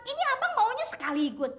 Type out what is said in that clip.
ini abang maunya sekaligus